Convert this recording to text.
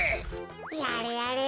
やれやれ